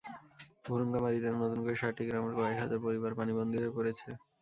ভূরুঙ্গামারীতে নতুন করে সাতটি গ্রামের কয়েক হাজার পরিবার পানিবন্দী হয়ে পড়েছে।